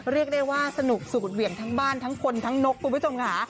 เรียกได้ว่าสนุกสูดเหวี่ยงทั้งบ้านทั้งคนทั้งนกคุณผู้ชมค่ะ